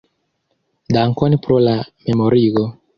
Dankon pro la memorigo.